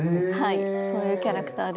そういうキャラクターです。